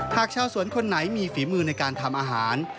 หากชาวสวนคนไหนมีฝีมือในการทำอาหาร